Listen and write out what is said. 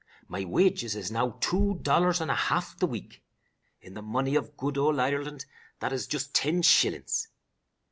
My wages is now two dollars and a half the week. In the money of good ould Ireland, that is just ten shillin's.